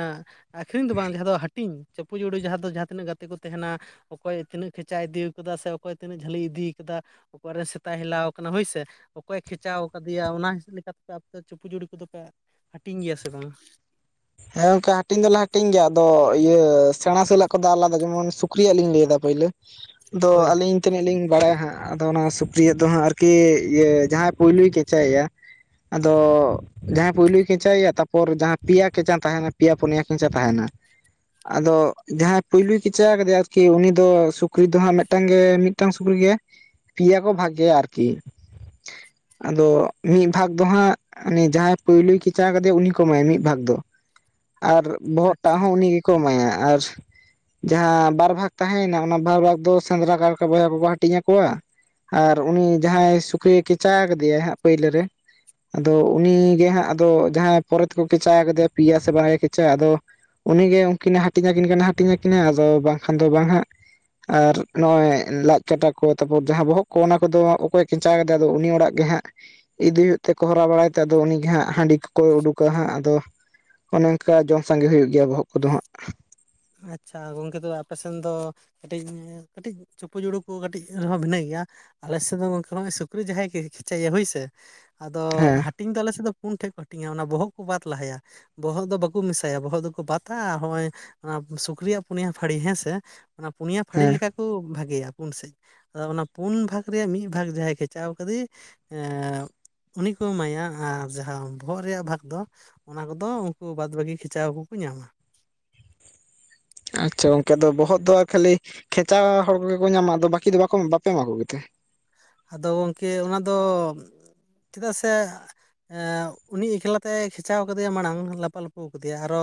ᱟᱹᱠᱷᱨᱤᱧ ᱫᱚ ᱵᱟᱝ ᱡᱟᱦᱟᱸ ᱫᱚ ᱦᱟᱹᱴᱤᱧ ᱪᱟᱯᱩᱡᱩᱲᱩ ᱡᱟᱦᱟᱸ ᱫᱚ ᱡᱟᱦᱟᱸ ᱛᱤᱱᱟᱹᱜ ᱜᱟᱛᱮ ᱠᱚ ᱛᱟᱦᱮᱱᱟ, ᱚᱠᱚᱭ ᱛᱤᱱᱟᱹᱜ ᱠᱷᱮᱪᱟ ᱤᱫᱤ ᱠᱟᱫᱟ ᱥᱮ ᱚᱠᱚᱭ ᱛᱤᱱᱟᱹᱜ ᱡᱷᱟᱹᱞᱤ ᱤᱫᱤ ᱠᱟᱫᱟ, ᱚᱠᱟᱨᱮ ᱥᱮᱛᱟᱭ ᱦᱮᱞᱟᱣ ᱠᱟᱱᱟ ᱦᱳᱭᱥᱮ, ᱚᱠᱚᱭ ᱠᱷᱮᱪᱟ ᱠᱟᱫᱮᱭᱟ ᱚᱱᱟ ᱦᱤᱥᱟᱹᱵᱽ ᱞᱮᱠᱟᱛᱮ ᱟᱯᱮ ᱫᱚ ᱪᱩᱯᱩᱡᱩᱲᱩ ᱠᱚᱫᱚᱯᱮ ᱦᱟᱹᱴᱤᱧ ᱜᱮᱭᱟ ᱥᱮ ᱵᱟᱝ, ᱦᱮᱸ ᱜᱚᱝᱠᱮ ᱦᱟᱹᱴᱤᱧ ᱫᱚᱞᱮ ᱦᱟᱹᱴᱤᱧ ᱜᱮᱭᱟ, ᱟᱫᱚ ᱤᱭᱟᱹ ᱥᱮᱬᱟ ᱥᱟᱹᱞ‌ ᱟᱜ ᱠᱚᱫᱚ ᱟᱞᱟᱫᱟ ᱡᱮᱢᱚᱱ ᱥᱩᱠᱨᱤᱭᱟᱜ ᱞᱤᱧ ᱞᱟᱹᱭᱫᱟ ᱯᱟᱹᱭᱞᱟᱹ, ᱛᱚ ᱦᱳᱭ ᱟᱹᱞᱤᱧ ᱛᱤᱱᱟᱹᱜ ᱞᱤᱧ ᱵᱟᱲᱟᱭᱟ ᱦᱟᱸᱜ ᱟᱫᱚ ᱚᱱᱟ ᱥᱩᱠᱨᱤᱭᱟᱜ ᱫᱚ ᱦᱟᱸᱜ ᱟᱨᱠᱤ ᱤᱭᱟᱹ ᱡᱟᱦᱟᱸᱭ ᱯᱩᱭᱞᱩᱭ ᱠᱷᱮᱪᱟᱭᱮᱼᱟ, ᱟᱫᱚ ᱡᱟᱦᱟᱸᱭ ᱯᱩᱭᱞᱳ ᱠᱷᱮᱪᱟᱭᱮᱟ ᱛᱟᱯᱚᱨ ᱡᱟᱦᱟᱸ ᱯᱮᱭᱟ ᱠᱷᱮᱸᱪᱟ ᱛᱟᱦᱮᱸᱱᱟ ᱯᱮᱭᱟ ᱯᱩᱱᱭᱟ ᱠᱷᱮᱪᱟ ᱛᱟᱦᱮᱸᱱᱟ ᱾ ᱟᱫᱚ ᱡᱟᱦᱟᱸᱭ ᱯᱩᱭᱞᱩᱭ ᱠᱷᱮᱸᱪᱟ ᱠᱟᱫᱮᱭᱟ ᱟᱹᱨᱠᱤ ᱩᱱᱤ ᱫᱚ ᱥᱩᱠᱨᱤ ᱫᱚ ᱦᱟᱸᱜ ᱢᱤᱫᱴᱟᱝ ᱜᱮ ᱢᱤ ᱢᱤᱫᱴᱟᱝ ᱥᱩᱠᱨᱤ ᱜᱮ ᱯᱮᱭᱟ ᱠᱚ ᱵᱷᱟᱜᱮᱭᱟ ᱟᱹᱨᱠᱤ, ᱟᱫᱚ ᱢᱤᱫ ᱵᱷᱟᱜᱽ ᱫᱚ ᱦᱟᱸᱜ ᱩᱱᱤ ᱡᱟᱦᱟᱸᱭ ᱯᱩᱭᱞᱩᱭ ᱠᱷᱮᱸᱪᱟ ᱠᱟᱫᱮᱭᱟ ᱩᱱᱤ ᱠᱚ ᱮᱢᱟᱭᱟ ᱢᱤᱫ ᱵᱷᱟᱜᱽ ᱫᱚ ᱾ ᱟᱨ ᱵᱚᱦᱚᱜ ᱟᱪᱪᱷᱟ ᱴᱟᱜ ᱦᱚᱸ ᱩᱱᱤ ᱜᱮᱠᱚ ᱮᱢᱟᱭᱟ ᱾ᱟᱨ ᱡᱟᱦᱟᱸ ᱵᱟᱨ ᱵᱷᱟᱜᱽ ᱛᱟᱦᱮᱸᱭᱮᱱᱟ ᱚᱱᱟ ᱵᱟᱨ ᱵᱷᱟᱜ ᱫᱚ ᱥᱮᱸᱫᱽᱨᱟ ᱠᱟᱨᱠᱟ ᱵᱚᱭᱦᱟ ᱠᱚᱠᱚ ᱦᱟᱹᱴᱤᱧᱟ ᱠᱚᱣᱟ ᱾ ᱟᱨ ᱩᱱᱤ ᱡᱟᱦᱟᱸᱭ ᱥᱩᱠᱨᱤ ᱠᱷᱮᱸᱪᱟ ᱠᱟᱫᱮᱭᱟ ᱦᱟᱸᱜ ᱯᱟᱹᱭᱞᱟᱹ ᱨᱮ, ᱟᱫᱚ ᱩᱱᱤᱜᱮ ᱦᱟᱸᱜ ᱟᱫᱚ ᱡᱟᱦᱟᱸᱭ ᱯᱚᱨᱮ ᱛᱮᱠᱚ ᱠᱷᱮᱸᱪᱟ ᱠᱟᱫᱮᱭᱟ ᱯᱮᱭᱟ ᱥᱮ ᱵᱟᱨᱭᱮ ᱠᱷᱮᱸᱪᱟ ᱟᱫᱚ ᱩᱱᱤᱜᱮ ᱩᱱᱠᱤᱱ ᱦᱟᱹᱴᱤᱧ ᱟᱹᱠᱤᱱ ᱠᱟᱱᱟ ᱦᱟᱹᱴᱤᱧ ᱟᱹᱠᱤᱱᱟ ᱟᱫᱚ ᱵᱟᱝᱠᱷᱟᱱ ᱫᱚ ᱵᱟᱝ ᱦᱟᱸᱜ ᱾ ᱟᱨ ᱱᱚᱜᱼᱚᱭ ᱞᱟᱡ ᱠᱟᱴᱟ ᱠᱚ ᱛᱟᱯᱚᱨ ᱡᱟᱦᱟᱸ ᱵᱚᱦᱚᱜ ᱠᱚ ᱚᱱᱟ ᱠᱚᱫᱚ ᱚᱠᱚᱭ ᱠᱤᱱ [unintelligible] ᱠᱮᱫᱟᱭ ᱟᱫᱚ ᱩᱱᱤ ᱚᱲᱟᱜ ᱜᱮ ᱦᱟᱸᱜ, ᱤᱫᱤ ᱦᱩᱭᱩᱜ ᱛᱮᱠᱚ ᱦᱚᱨᱟ ᱵᱟᱲᱟᱭ ᱛᱮ ᱟᱫᱚ ᱩᱱᱤᱜᱮ ᱦᱟᱸᱜ ᱦᱟᱸᱰᱤ ᱠᱚᱠᱚ ᱩᱰᱩᱠᱟ ᱦᱟᱸᱜ, ᱟᱫᱚ ᱚᱱᱮ ᱚᱱᱠᱟ ᱡᱚᱢ ᱥᱟᱸᱜᱮ ᱦᱩᱭᱩᱜ ᱜᱮᱭᱟ ᱵᱚᱦᱚᱜ ᱠᱚᱫᱚ ᱦᱟᱸᱜ ᱾ ᱟᱪᱪᱷᱟ ᱜᱚᱝᱠᱮ ᱛᱚ ᱟᱯᱮᱥᱮᱱ ᱫᱚ ᱠᱟᱹᱴᱤᱧ ᱠᱟᱹᱴᱤᱡ ᱪᱩᱯᱩᱡᱩᱲᱩ ᱠᱚ ᱦᱚᱸ ᱠᱟᱹᱴᱤᱡ ᱵᱷᱤᱱᱟᱹ ᱜᱮᱭᱟ᱾ ᱟᱞᱮ ᱥᱮᱫ ᱫᱚ ᱜᱚᱝᱠᱮ ᱥᱩᱠᱨᱤ ᱡᱟᱦᱟᱸᱭ ᱜᱮ ᱠᱷᱮᱸᱪᱟᱭᱟᱭ ᱦᱳᱭᱥᱮ ᱟᱫᱚ ᱦᱮᱸ ᱦᱟᱹᱴᱤᱧ ᱫᱚ ᱟᱞᱮᱥᱮᱫ ᱫᱚ ᱯᱩᱱ ᱴᱷᱮᱱ ᱠᱚ ᱦᱟᱹᱴᱤᱧᱟ ᱚᱱᱟ ᱵᱚᱦᱚᱜ ᱠᱚ ᱵᱟᱫ ᱞᱟᱦᱟᱭᱟ ᱾ ᱵᱚᱦᱚᱜ ᱫᱚ ᱵᱟᱠᱚ ᱢᱮᱥᱟᱭᱟ ᱵᱚᱦᱚᱜ ᱫᱚᱠᱚ ᱵᱟᱛᱟ ᱦᱚᱸᱜᱼᱚᱭ ᱚᱱᱟ ᱥᱩᱠᱨᱤᱭᱟᱜ ᱯᱩᱱᱭᱟ ᱯᱷᱟᱲᱤ ᱦᱮᱸᱥᱮ ᱚᱱᱟ ᱯᱩᱱᱭᱟ ᱯᱷᱟᱲᱤ ᱦᱮᱸ ᱞᱮᱠᱟ ᱠᱚ ᱵᱷᱟᱜᱮᱭᱟ ᱯᱩᱱ ᱥᱮᱫ ᱾ ᱟᱫᱚ ᱚᱱᱟ ᱯᱩᱱ ᱵᱷᱟᱜᱽ ᱨᱮᱭᱟᱜ ᱢᱤᱫ ᱵᱷᱟᱜᱽ ᱡᱟᱦᱟᱸᱭ ᱠᱷᱮᱪᱟᱣ ᱠᱟᱫᱮ ᱮᱸ ᱩᱱᱤ ᱠᱚ ᱮᱢᱟᱭᱟ ᱟᱨ ᱡᱟᱦᱟᱸ ᱵᱚᱦᱚᱜ ᱨᱮᱭᱟᱜ ᱵᱷᱟᱜᱽ ᱫᱚ ᱚᱱᱟ ᱠᱚᱫᱚ ᱩᱱᱠᱩ ᱵᱟᱫ ᱵᱟᱠᱤ ᱠᱷᱮᱸᱪᱟᱣ ᱠᱚᱠᱚ ᱧᱟᱢᱟ ᱾ ᱟᱪᱪᱷᱟ ᱜᱚᱝᱠᱮ ᱫᱚ ᱵᱚᱦᱚᱜ ᱫᱚ ᱟᱨ ᱠᱷᱟᱹᱞᱤ ᱠᱷᱮᱪᱟ ᱦᱚᱲ ᱠᱚᱜᱮ ᱠᱚ ᱧᱟᱢᱟ ᱟᱫᱚ ᱵᱟᱹᱠᱤ ᱫᱚ ᱵᱟᱠᱚ ᱵᱟᱯᱮ ᱮᱢᱟ ᱠᱚᱜᱮ ᱛᱮ᱾ ᱟᱫᱚ ᱜᱚᱢᱠᱮ ᱚᱱᱟᱫᱚ ᱪᱮᱫᱟᱜ ᱥᱮ ᱮᱸ ᱩᱱᱤ ᱮᱠᱞᱟᱛᱮ ᱠᱷᱮᱪᱟᱣ ᱠᱟᱫᱮᱭᱟ ᱢᱟᱲᱟᱝ ᱞᱟᱯᱟᱼ ᱞᱟᱯᱚ ᱠᱟᱫᱮᱭᱟ ᱟᱨᱚ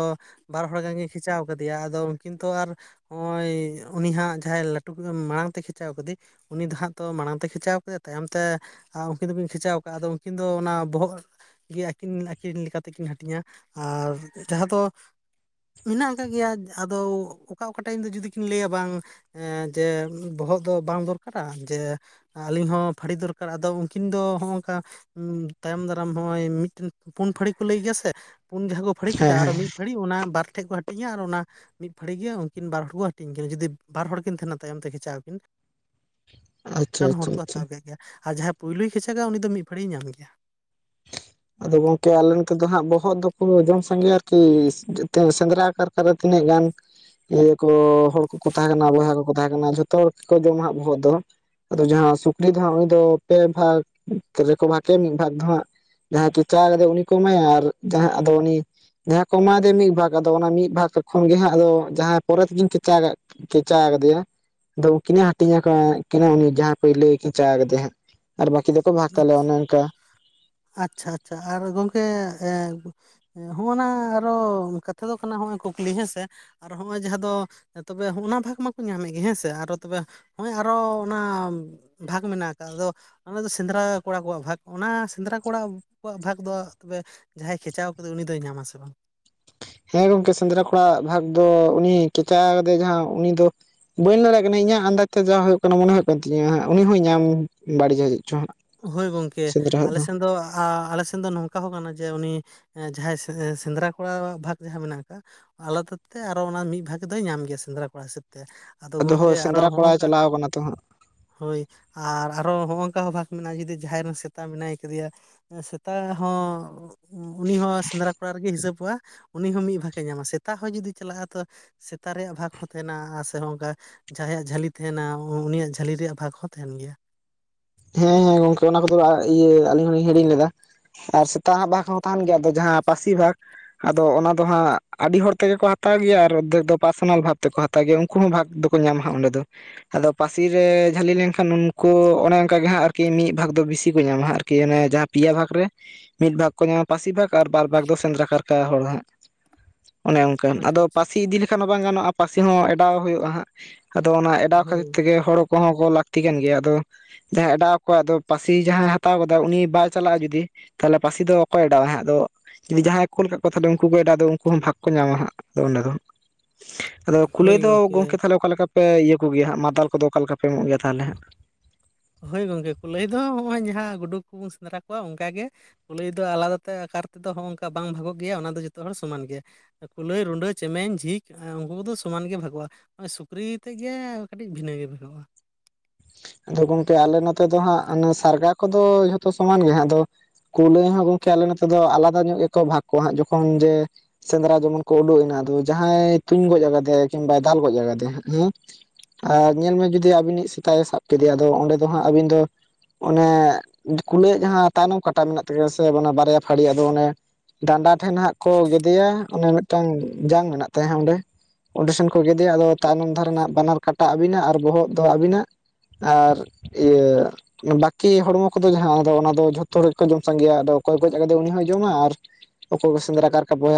ᱵᱟᱨ ᱦᱚᱲ ᱜᱟᱱ ᱜᱮ ᱠᱷᱤᱪᱟᱣ ᱠᱟᱫᱮᱭᱟ ᱟᱫᱚ ᱩᱱᱠᱤᱱ ᱛᱚ ᱟᱨ ᱦᱚᱸᱜᱼᱚᱭ ᱩᱱᱤ ᱦᱟᱸᱜ ᱡᱟᱦᱟᱸᱭ ᱞᱟᱹᱴᱩ ᱢᱟᱲᱟᱝ ᱛᱮᱭ ᱠᱷᱮᱪᱟᱣ ᱠᱟᱫᱮ ᱩᱱᱤ ᱫᱚ ᱦᱟᱸᱜ ᱛᱚ ᱢᱟᱲᱟᱝ ᱛᱮ ᱠᱷᱮᱸᱪᱟᱣ ᱠᱮᱫᱮᱭᱟ ᱛᱟᱭᱚᱢ ᱛᱮ ᱩᱱᱠᱤᱱ ᱫᱚᱠᱤᱱ ᱠᱷᱮᱸᱪᱟᱣ ᱠᱟᱜᱼᱟ ᱟᱫᱚ ᱩᱱᱠᱤᱱ ᱫᱚ ᱚᱱᱟ ᱵᱚᱦᱚᱜ ᱜᱮ ᱟᱠᱤᱱ ᱟᱠᱤᱱ ᱞᱮᱠᱟᱛᱮ ᱠᱤᱱ ᱦᱟᱹᱴᱤᱧᱟ, ᱟᱨ ᱡᱟᱦᱟᱸ ᱫᱚ ᱢᱮᱱᱟᱜ ᱟᱠᱟᱫ ᱜᱮᱭᱟ ᱟᱫᱚ ᱚᱠᱟ ᱚᱠᱟ ᱴᱟᱭᱤᱢ ᱫᱚ ᱡᱩᱫᱤ ᱠᱤᱱ ᱞᱟᱹᱭᱟ ᱵᱟᱝ ᱦᱮᱸ ᱡᱮ ᱵᱚᱦᱚᱜ ᱫᱚ ᱵᱟᱝ ᱫᱚᱨᱠᱟᱨᱟ ᱡᱮ ᱟᱹᱞᱤᱧ ᱦᱚᱸ ᱯᱷᱟᱹᱲᱤ ᱫᱚᱨᱠᱟᱨ ᱟᱫᱚ ᱩᱱᱠᱤᱱ ᱫᱚ ᱦᱚᱸᱜ-ᱚᱝᱠᱟ ᱛᱟᱭᱚᱢ ᱫᱟᱨᱟᱢ ᱦᱚᱸᱜᱼᱚᱭ ᱢᱤᱫ ᱴᱮᱱ ᱯᱩᱱ ᱯᱷᱟᱹᱲᱤ ᱠᱚ ᱞᱟᱹᱭ ᱜᱮᱭᱟ ᱥᱮ ᱯᱩᱱ ᱡᱟᱦᱟᱸ ᱠᱚ ᱯᱷᱟᱹᱲᱤ ᱠᱮᱫᱟ ᱦᱮᱸ ᱟᱨ ᱦᱮᱸ᱾ ᱢᱤᱫ ᱯᱷᱟᱹᱲᱤ ᱚᱱᱟ ᱵᱟᱨ ᱴᱷᱮᱡ ᱠᱚ ᱦᱟᱹᱴᱤᱧᱟ ᱟᱨ ᱚᱱᱟ ᱢᱤᱫ ᱯᱷᱟᱹᱲᱤ ᱜᱮ ᱩᱱᱠᱤᱱ ᱵᱟᱨ ᱦᱚᱲ ᱠᱚ ᱦᱟᱹᱴᱤᱧ ᱠᱤᱱᱟ ᱡᱩᱫᱤ ᱵᱟᱨ ᱦᱚᱲ ᱠᱤᱱ ᱛᱟᱦᱮᱱᱟ ᱛᱟᱭᱚᱢ ᱛᱮ ᱠᱷᱮᱪᱟᱜ ᱟᱠᱤᱱ ᱟᱪᱪᱷᱟ ᱢᱤᱫᱴᱟᱱ ᱦᱚᱲ ᱟᱪᱪᱷᱟ ᱠᱚ ᱟᱪᱪᱷᱟ᱾ ᱦᱟᱛᱟᱣ ᱠᱟᱭ ᱠᱮᱭᱟ ᱟᱨ ᱡᱟᱦᱟᱸᱭ ᱯᱩᱭᱞᱩᱭ ᱠᱮᱪᱟᱠᱟ ᱩᱱᱤ ᱫᱚ ᱢᱤᱫ ᱯᱷᱟᱹᱲᱤᱭ ᱧᱟᱢ ᱜᱮᱭᱟ ᱟᱫᱚ ᱜᱚᱝᱠᱮ ᱟᱞᱮ ᱱᱚᱛᱮ ᱫᱚ ᱦᱟᱸᱜ ᱵᱚᱦᱚᱜ ᱫᱚ ᱠᱚ ᱡᱚᱢ ᱥᱟᱸᱜᱮᱭᱟ ᱟᱨ ᱠᱤ ᱥᱮᱸᱫᱽᱨᱟ ᱠᱟᱨᱠᱟ ᱟᱨᱚ ᱛᱤᱱᱟᱹᱜ ᱜᱟᱱ ᱤᱭᱟᱹ ᱠᱚ ᱦᱚᱲ ᱠᱚᱠᱚ ᱛᱟᱦᱮᱸ ᱠᱟᱱᱟ ᱵᱚᱭᱦᱟ ᱠᱚᱠᱚ ᱛᱟᱦᱮᱸ ᱠᱟᱱᱟ ᱡᱷᱚᱛᱚ ᱦᱚᱲ ᱜᱮ ᱠᱚ ᱡᱚᱢᱟ ᱦᱟᱸᱜ ᱵᱚᱦᱚᱜ ᱫᱚ ᱟᱫᱚ ᱡᱟᱦᱟᱸ ᱥᱩᱠᱨᱤ ᱫᱚ ᱦᱟᱸᱜ ᱩᱱᱤ ᱫᱚ ᱯᱮ ᱵᱷᱟᱠ ᱨᱮ ᱠᱚ ᱵᱷᱟᱠᱮᱭᱟ ᱢᱤᱫ ᱵᱷᱟᱠ ᱫᱚ ᱦᱟᱸᱜ ᱡᱟᱦᱟᱸᱭ ᱠᱮᱪᱟᱜ ᱠᱟᱫᱮᱭᱟᱭ ᱩᱱᱤ ᱠᱚ ᱮᱢᱟᱭᱟ ᱟᱨ ᱡᱟᱦᱟᱸ ᱟᱫᱚ ᱩᱱᱤ ᱡᱟᱦᱟᱸ ᱠᱚ ᱮᱢᱟ ᱫᱮᱭᱟ ᱢᱤᱫ ᱵᱷᱟᱠ ᱟᱫᱚ ᱚᱱᱟ ᱢᱤᱫ ᱵᱷᱟᱠ ᱠᱷᱚᱱ ᱜᱮ ᱦᱟᱸᱜ ᱟᱫᱚ ᱡᱟᱦᱟᱸ ᱯᱚᱨᱮ ᱛᱤᱠᱤᱱ ᱠᱮᱪᱟᱠᱟ ᱠᱮᱪᱟ ᱠᱟᱫᱮᱭᱟ ᱫᱚ ᱩᱱᱠᱤᱱᱮ ᱦᱟᱹᱴᱤᱧ ᱟᱠᱟᱫ ᱠᱤᱱᱟ ᱩᱱᱤ ᱡᱟᱦᱟᱸ ᱯᱟᱹᱭᱞᱟᱹᱭ ᱠᱮᱪᱟᱜ ᱠᱟᱫᱮᱭᱟ ᱦᱟᱸᱜ ᱟᱨ ᱵᱟᱠᱤ ᱫᱚ ᱠᱚ ᱵᱷᱟᱠ ᱛᱟᱞᱮᱭᱟ ᱚᱱᱮ ᱚᱱᱠᱟ ᱟᱪᱪᱷᱟ ᱟᱪᱪᱷᱟ ᱟᱨ ᱜᱚᱝᱠᱮ ᱦᱚᱸᱜᱚᱱᱟ ᱟᱨᱚ ᱠᱟᱛᱷᱟ ᱫᱚ ᱠᱟᱱᱟ ᱦᱚᱸᱜᱼᱚᱭ ᱠᱩᱠᱞᱤ ᱦᱮᱸ ᱥᱮ ᱟᱨ ᱦᱚᱸᱜ-ᱚᱭ ᱡᱟᱦᱟᱸ ᱫᱚ ᱛᱚᱵᱮ ᱦᱚᱸᱜᱚᱱᱟ ᱵᱷᱟᱠ ᱢᱟᱠᱚ ᱧᱟᱢᱮᱫ ᱜᱮ ᱦᱮᱸ ᱥᱮ ᱟᱨᱚ ᱛᱚᱵᱮ ᱦᱚᱸᱜ-ᱚᱭ ᱟᱨᱚ ᱚᱱᱟ ᱵᱷᱟᱠ ᱢᱮᱱᱟᱜ ᱠᱟᱫ ᱫᱚ ᱚᱱᱟ ᱫᱚ ᱥᱮᱸᱫᱽᱨᱟ ᱠᱚᱲᱟ ᱠᱚᱣᱟᱜ ᱵᱷᱟᱠ ᱚᱱᱟ ᱥᱮᱸᱫᱽᱨᱟ ᱠᱚᱲᱟ ᱠᱚᱣᱟᱜ ᱵᱷᱟᱠ ᱫᱚ ᱛᱚᱵᱮ ᱡᱟᱦᱟᱸᱭ ᱠᱷᱮᱪᱟᱣ ᱠᱟᱫᱮ ᱩᱱᱤ ᱫᱚᱭ ᱧᱟᱢᱟ ᱥᱮ ᱵᱟᱝ? ᱦᱮᱸ ᱜᱚᱝᱠᱮ ᱥᱮᱸᱫᱽᱨᱟ ᱠᱚᱲᱟᱣᱟᱜ ᱵᱷᱟᱠ ᱫᱚ ᱩᱱᱤ ᱠᱮᱪᱟ ᱠᱟᱫᱮᱭᱟᱭ ᱡᱟᱦᱟᱸᱭ ᱩᱱᱤ ᱫᱚ ᱵᱟᱹᱧ ᱞᱟᱹᱭ ᱫᱟᱲᱮᱜ ᱠᱟᱱᱟ ᱤᱧᱟᱹᱜ ᱟᱸᱱᱰᱟᱪ ᱛᱮ ᱡᱟ ᱦᱳᱭᱳᱜ ᱠᱟᱱᱟ ᱢᱚᱱᱮ ᱦᱳᱭᱳᱜ ᱠᱟᱱ ᱛᱤᱧᱟᱹ ᱩᱱᱤ ᱦᱚᱸᱭ ᱧᱟᱢ ᱵᱟᱹᱲᱤᱡᱟ ᱪᱮᱫ ᱪᱚ ᱦᱟᱸᱜ ᱦᱳᱭ ᱜᱚᱝᱠᱮ ᱟᱞᱮ ᱥᱮᱱ ᱫᱚ ᱟ ᱟᱞᱮ ᱥᱮᱱ ᱫᱚ ᱱᱚᱝᱠᱟ ᱦᱚᱸ ᱠᱟᱱᱟ ᱡᱮ ᱩᱱᱤ ᱡᱟᱦᱟᱸᱭ ᱥᱮ- ᱥᱮᱸᱫᱽᱨᱟ ᱠᱚᱲᱟᱣᱟᱜ ᱵᱷᱟᱠ ᱡᱟᱦᱟᱸ ᱢᱮᱱᱟᱜ ᱠᱟᱜ-ᱟ ᱟᱞᱟᱫᱟ ᱛᱮ ᱟᱨᱚ ᱚᱱᱟ ᱢᱤᱫ ᱵᱷᱟᱠ ᱫᱚᱭ ᱧᱟᱢ ᱜᱮᱭᱟ ᱥᱮᱸᱫᱽᱨᱟ ᱠᱚᱲᱟ ᱦᱤᱥᱟᱹᱵ ᱛᱮ ᱟᱫᱚ ᱜᱚᱝᱠᱮ ᱦᱳᱭ ᱟᱨᱚ ᱥᱮᱸᱫᱽᱨᱟ ᱠᱚᱲᱟᱭ ᱦᱚᱸᱜᱚᱝᱠᱟ ᱪᱟᱞᱟᱣ ᱠᱟᱱᱟ ᱛᱚ ᱦᱟᱸᱜ ᱦᱳᱭ ᱟᱨ ᱟᱨᱚ ᱦᱚᱸᱜᱚᱝᱠᱟ ᱦᱚᱸ ᱵᱷᱟᱠ ᱢᱮᱱᱟᱜᱼᱟ ᱡᱩᱫᱤ ᱡᱟᱦᱟᱸᱭ ᱨᱮᱱ ᱥᱮᱛᱟ ᱢᱮᱱᱟᱭ ᱠᱟᱫᱮᱭᱟ ᱥᱮᱛᱟ ᱦᱚᱸᱻ ᱩᱱᱤ ᱦᱚᱸ ᱥᱮᱸᱫᱽᱨᱟ ᱠᱚᱲᱟ ᱨᱮᱜᱮᱭ ᱦᱤᱥᱟᱹᱵᱚᱜᱼᱟ ᱩᱱᱤ ᱦᱚᱸ ᱢᱤᱫ ᱵᱷᱟᱠᱮ ᱧᱟᱢᱟ ᱥᱮᱛᱟ ᱦᱚᱸ ᱡᱩᱫᱤ ᱪᱟᱞᱟᱜᱼᱟ ᱛᱚ ᱥᱮᱛᱟ ᱨᱮᱭᱟᱜ ᱵᱷᱟᱠ ᱦᱚᱸ ᱛᱟᱦᱮᱱᱟ ᱥᱮ ᱦᱚᱸᱜᱚᱝᱠᱟ ᱡᱟᱦᱟᱸᱭᱟᱜ ᱡᱷᱟᱹᱞᱤ ᱛᱟᱦᱮᱱᱟ ᱩᱱᱤᱭᱟᱜ ᱡᱷᱟᱹᱞᱤ ᱨᱮᱭᱟᱜ ᱵᱷᱟᱠ ᱦᱚᱸ ᱛᱟᱦᱮᱱ ᱜᱮᱭᱟ ᱦᱮᱸ ᱦᱮᱸ ᱜᱚᱝᱠᱮ ᱚᱱᱟ ᱠᱚ ᱫᱚ ᱤᱭᱟᱹ ᱟᱹᱞᱤᱧ ᱦᱚᱞᱤᱧ ᱦᱤᱲᱤᱧ ᱞᱮᱫᱟ ᱟᱨ ᱥᱮᱛᱟᱣᱟᱜ ᱵᱷᱟᱠ ᱦᱚᱸ ᱛᱟᱦᱮᱱ ᱜᱮᱭᱟ ᱟᱫᱚ ᱡᱟᱦᱟᱸ ᱯᱟᱹᱥᱤ ᱵᱷᱟᱠ ᱟᱫᱚ ᱚᱱᱟ ᱫᱚ ᱦᱟᱸᱜ ᱟᱰᱤ ᱦᱚᱲ ᱛᱮᱜᱮ ᱠᱚ ᱦᱟᱛᱟᱣ ᱜᱮᱭᱟ ᱟᱨ ᱚᱫᱷᱮᱠ ᱫᱚ ᱯᱟᱨᱥᱚᱱᱟᱞ ᱵᱷᱟᱵ ᱛᱮᱠᱚ ᱦᱟᱛᱟᱣ ᱛᱟᱜᱮ ᱩᱝᱠᱩ ᱦᱚᱸ ᱵᱷᱟᱠ ᱫᱚ ᱠᱚ ᱧᱟᱢᱟ ᱦᱟᱸᱜ ᱚᱸᱰᱮ ᱫᱚ ᱟᱫᱚ ᱯᱟᱹᱥᱤ ᱨᱮ ᱡᱷᱟᱹᱞᱤ ᱞᱮᱱᱠᱷᱟᱱ ᱩᱱᱠᱩ ᱚᱱᱮ ᱚᱝᱠᱟᱜᱮ ᱦᱟᱸᱜ ᱟᱨ ᱠᱤ ᱢᱤᱫ ᱵᱷᱟᱠ ᱫᱚ ᱵᱤᱥᱤ ᱠᱚ ᱧᱟᱢᱟ ᱦᱟᱸᱜ ᱟᱨ ᱠᱤ ᱚᱱᱮ ᱡᱟᱦᱟᱸ ᱯᱤᱭᱟ ᱵᱷᱟᱠ ᱨᱮ ᱢᱤᱫ ᱵᱷᱟᱠ ᱠᱚ ᱧᱟᱢᱟ ᱯᱟᱹᱥᱤ ᱵᱷᱟᱠ ᱟᱨ ᱵᱟᱨ ᱵᱷᱟᱠ ᱫᱚ ᱥᱮᱸᱫᱨᱟ ᱠᱟᱨᱠᱟ ᱦᱚᱲ ᱦᱟᱸᱜ ᱚᱱᱮ ᱚᱱᱠᱟ ᱟᱪᱪᱷᱟ ᱟᱫᱚ ᱟᱪᱪᱷᱟ ᱯᱟᱹᱥᱤ ᱤᱫᱤ ᱞᱮᱠᱷᱟᱱ ᱦᱚᱸ ᱵᱟᱝ ᱜᱟᱱᱚᱜᱼᱟ ᱯᱟᱹᱥᱤ ᱦᱚᱸ ᱮᱰᱟᱣ ᱦᱳᱭᱳᱜᱼᱟ ᱦᱟᱸᱜ ᱟᱫᱚ ᱚᱱᱟ ᱮᱰᱟᱣ ᱠᱷᱟᱹᱛᱤᱨ ᱦᱳᱭ ᱛᱮ ᱜᱮ ᱦᱚᱲ ᱠᱚᱦᱚᱸ ᱠᱚ ᱞᱟᱹᱠᱛᱤ ᱠᱟᱱ ᱜᱮᱭᱟ ᱟᱫᱚ ᱡᱟᱦᱟᱸᱭ ᱮᱰᱟᱣ ᱠᱚᱣᱟ ᱟᱫᱚ ᱯᱟᱹᱥᱤ ᱡᱟᱦᱟᱸᱭ ᱦᱟᱛᱟᱣ ᱠᱟᱫᱟ ᱩᱱᱤ ᱵᱟᱭ ᱪᱟᱞᱟᱜᱼᱟ ᱡᱩᱫᱤ ᱛᱟᱞᱦᱮ ᱯᱟᱹᱥᱤ ᱫᱚ ᱚᱠᱚᱭ ᱮᱰᱟᱣᱟ ᱦᱟᱸᱜ ᱟᱫᱚ ᱡᱩᱫᱤ ᱡᱟᱦᱟᱸᱭ ᱠᱳᱞ ᱠᱟᱫ ᱠᱚᱣᱟᱭ ᱛᱟᱞᱦᱮ ᱩᱝᱠᱩ ᱠᱚ ᱮᱰᱟᱣ ᱫᱚ ᱩᱝᱠᱩ ᱦᱚᱸ ᱵᱷᱟᱠ ᱠᱚ ᱧᱟᱢᱟ ᱦᱟᱸᱜ ᱟᱫᱚ ᱚᱸᱰᱮ ᱫᱚ [unintelligible] ᱟᱫᱚ ᱠᱩᱞᱟᱹᱭ ᱫᱚ ᱜᱚᱝᱠᱮ ᱛᱟᱞᱦᱮ ᱚᱠᱟ ᱞᱮᱠᱟ ᱯᱮ ᱤᱭᱟᱹ ᱠᱚᱜᱮᱭᱟ ᱦᱟᱸᱜ ᱢᱟᱫᱟᱞ ᱠᱚ ᱫᱚ ᱚᱠᱟ ᱞᱮᱠᱟ ᱯᱮ ᱮᱢᱚᱜ ᱜᱮᱭᱟ ᱛᱟᱞᱦᱮ ᱦᱟᱸᱜ ᱦᱳᱭ ᱜᱚᱝᱠᱮ ᱠᱩᱞᱟᱹᱭ ᱫᱚ ᱦᱚᱜᱚᱭ ᱡᱟᱦᱟᱸ ᱜᱩᱰᱩᱠ ᱠᱚᱵᱚᱱ ᱥᱮᱸᱫᱽᱨᱟ ᱠᱚᱣᱟ ᱚᱝᱠᱟᱜᱮ᱾ ᱠᱩᱞᱟᱹᱭ ᱫᱚ ᱟᱞᱟᱫᱟ ᱛᱮ ᱟᱠᱟᱨ ᱛᱮᱫᱚ ᱦᱚᱜᱚᱝᱠᱟ ᱵᱟᱝ ᱵᱷᱟᱠᱚᱜ ᱜᱮᱭᱟ ᱚᱱᱟ ᱫᱚ ᱡᱚᱛᱚ ᱦᱚᱲ ᱥᱚᱢᱟᱱ ᱜᱮᱭᱟ᱾ ᱠᱩᱞᱟᱹᱭ ᱨᱩᱰᱟᱹ ᱪᱮᱢᱮᱧ ᱡᱷᱤᱠ ᱩᱱᱠᱩ ᱠᱚᱫᱚ ᱥᱚᱢᱟᱱ ᱜᱮ ᱵᱷᱟᱜᱚᱜᱼᱟ᱾ ᱦᱚᱜᱚᱭ ᱥᱩᱠᱨᱤ ᱛᱮᱫ ᱜᱮ ᱠᱟᱹᱴᱤᱡ ᱵᱷᱤᱱᱟᱹ ᱜᱮ ᱵᱷᱟᱠᱚᱜᱼᱟ᱾ ᱟᱫᱚ ᱜᱚᱝᱠᱮ ᱟᱞᱮ ᱱᱚᱛᱮ ᱫᱚ ᱦᱟᱸᱜ ᱥᱟᱨᱜᱟ ᱠᱚᱫᱚ ᱥᱚᱢᱟᱱ ᱜᱮ ᱦᱟᱸᱜ ᱟᱫᱚ ᱠᱩᱞᱟᱹᱭ ᱦᱚᱸ ᱜᱚᱝᱠᱮ ᱟᱞᱮ ᱱᱚᱛᱮ ᱫᱚ ᱟᱞᱟᱫᱟ ᱧᱚᱜ ᱜᱮᱠᱚ ᱵᱷᱟᱜᱽ ᱠᱚᱣᱟ ᱦᱟᱸᱜ ᱡᱚᱠᱷᱚᱱ ᱡᱮ ᱥᱮᱸᱫᱽᱨᱟ ᱡᱮᱢᱚᱱ ᱠᱚ ᱩᱰᱩᱠ ᱮᱱᱟ ᱟᱫᱚ ᱡᱟᱦᱟᱸᱭ ᱛᱩᱧ ᱜᱚᱡ ᱟᱠᱟᱫᱮᱭᱟ ᱠᱤᱢᱵᱟ ᱫᱟᱞ ᱜᱚᱡ ᱟᱠᱟᱫᱮᱭᱟ ᱦᱮᱸ ᱟᱨ ᱧᱮᱞ ᱢᱮ ᱡᱩᱫᱤ ᱟᱵᱤᱱᱤᱡ ᱥᱮᱛᱟᱜ ᱥᱟᱵ ᱠᱮᱫᱮᱭᱟ ᱟᱫᱚ ᱚᱸᱰᱮ ᱫᱚ ᱦᱟᱸᱜ ᱟᱹᱵᱤᱱ ᱫᱚ ᱚᱱᱮ ᱠᱩᱞᱟᱹᱭ ᱡᱟᱦᱟᱸ ᱛᱟᱭᱱᱚᱢ ᱠᱟᱴᱟ ᱢᱮᱱᱟᱜ ᱛᱟᱭᱟ ᱥᱮ ᱵᱟᱨᱭᱟ ᱯᱟᱹᱲᱤ ᱦᱟᱜ ᱫᱚ ᱚᱱᱮ ᱰᱟᱸᱰᱟ ᱴᱷᱮᱱ ᱦᱟᱸᱜ ᱠᱚ ᱜᱮᱫᱭᱟ ᱚᱱᱮ ᱢᱤᱫᱴᱟᱝ ᱡᱟᱝ ᱢᱮᱱᱟᱜ ᱛᱟᱭ ᱚᱸᱰᱮ᱾ ᱚᱸᱰᱮ ᱥᱮᱱ ᱠᱚ ᱜᱮᱫᱮᱭᱟ ᱟᱫᱚ ᱛᱟᱭᱱᱚᱢ ᱫᱷᱟᱨᱮ ᱨᱮᱱᱟᱜ ᱵᱟᱱᱟᱨ ᱠᱟᱴᱟ ᱟᱵᱤᱱᱟ ᱟᱨ ᱵᱚᱦᱚᱜ ᱫᱚ ᱟᱵᱤᱱᱟᱜ᱾ ᱟᱨ ᱤᱭᱟᱹ ᱵᱟᱠᱤ ᱦᱚᱲᱢᱚ ᱠᱚᱫᱚ ᱡᱟᱦᱟᱸ ᱟᱫᱚ ᱫᱚ ᱡᱷᱚᱛᱚ ᱦᱚᱲ ᱜᱮᱠᱚ ᱡᱚᱢ ᱥᱟᱸᱜᱮᱭᱟ ᱟᱫᱚ ᱚᱠᱚᱭ ᱠᱚ ᱜᱚᱡ ᱠᱟᱫᱮᱭᱟ ᱩᱱᱤ ᱦᱚᱸᱭ ᱡᱚᱢᱟ ᱚᱠᱚᱭ ᱠᱚ ᱥᱮᱸᱫᱽᱨᱟ ᱠᱟᱨᱠᱷᱟ ᱵᱚᱭ